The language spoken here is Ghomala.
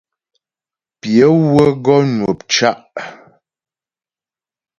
Pyə wə́ gɔ nwə̂p cá'.